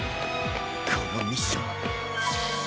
このミッション。